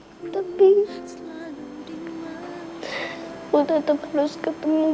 mencari orang orang baik di hidup aku